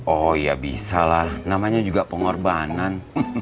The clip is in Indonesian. oh ya bisa lah namanya juga pengorbanan